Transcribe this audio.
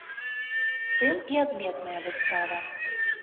Тым і адметная выстава.